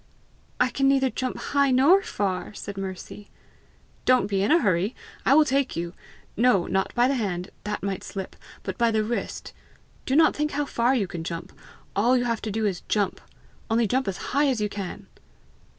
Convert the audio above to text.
"I can neither jump high nor far!" said Mercy. "Don't be in a hurry. I will take you no, not by the hand; that might slip but by the wrist. Do not think how far you can jump; all you have to do is to jump. Only jump as high as you can."